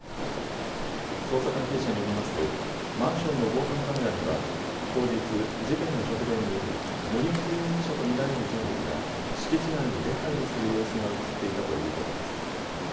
捜査関係者によりますとマンションの防犯カメラには当日、事件の直前に森本容疑者と見られる人物が敷地内に出はいりする様子が写っていたということです。